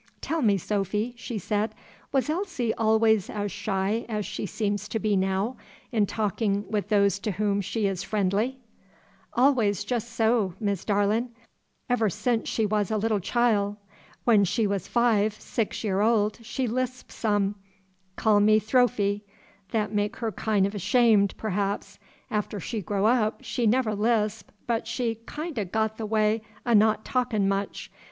"Tell me, Sophy," she said, "was Elsie always as shy as she seems to be now, in talking with those to whom she is friendly?" "Alway jes' so, Miss Darlin', ever sense she was little chil'. When she was five, six year old, she lisp some, call me Thophy; that make her kin' o' 'shamed, perhaps: after she grow up, she never lisp, but she kin' o' got the way o' not talkin' much.